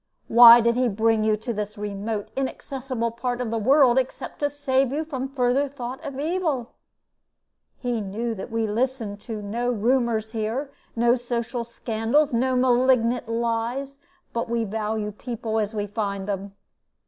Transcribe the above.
Why did he bring you to this remote, inaccessible part of the world except to save you from further thought of evil? He knew that we listen to no rumors here, no social scandals, or malignant lies; but we value people as we find them.